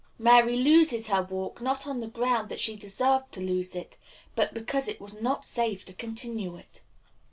Mary loses her walk not on the ground that she deserved to lose it, but because it was not safe to continue it.